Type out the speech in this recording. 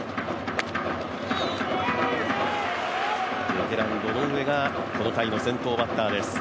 ベテラン・堂上がこの回の先頭バッターです。